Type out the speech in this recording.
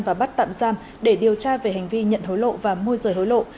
và bắt tạm giam để điều tra về hành vi nhận hối lộ và môi rời hối lộ